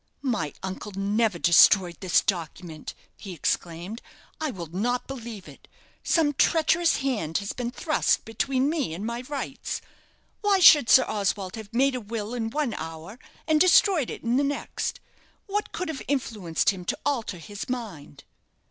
"My uncle never destroyed this document," he exclaimed; "I will not believe it. Some treacherous hand has been thrust between me and my rights. Why should Sir Oswald have made a will in one hour and destroyed it in the next? What could have influenced him to alter his mind?"